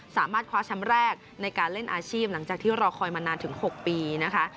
สามารถคว้าแชมป์แรกในการเล่นอาชีพหลังจากที่รอคอยมานานถึง๖ปีนะคะ